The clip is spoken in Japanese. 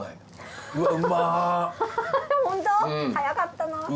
早かったな。